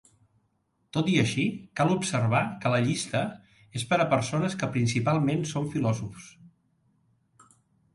Tot i així, cal observar que la llista és per a persones que "principalment" són filòsofs.